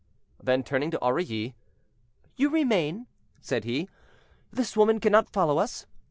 Then, turning to Aurilly, "You remain," said he. "This woman cannot follow us.